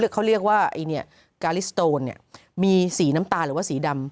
เขาเรียกว่ากาลิสโตนมีสีน้ำตาลหรือว่าสีดำ